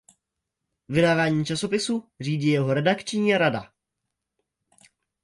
Vydávání časopisu řídí jeho redakční rada.